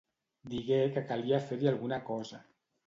Digué que calia fer-hi alguna cosa.